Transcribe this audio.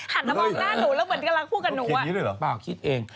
หันมามองหน้าหนูแล้วเหมือนกำลังพูดกับหนูอ่ะคิดด้วยเหรอเปล่าคิดเอง